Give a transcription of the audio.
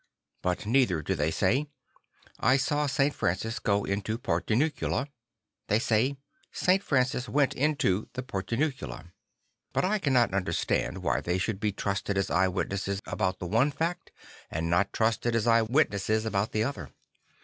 But neither do they say, II I saw St. Francis go into the Portiuncula "; they say, II St. Francis went into the Portiuncula." But I still cannot understand why they should be trusted as eye witnesses about the one fact and not trusted as eye witnesses about the other.